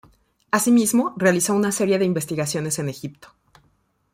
Asimismo, realizó una serie de investigaciones en Egipto.